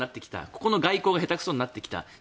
ここの外交がへたくそになってきた